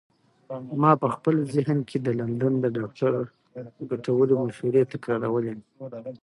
ما په خپل ذهن کې د لندن د ډاکتر ګټورې مشورې تکرارولې.